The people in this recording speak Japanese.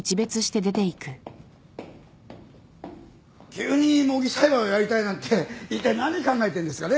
急に模擬裁判をやりたいなんていったい何考えてんですかね。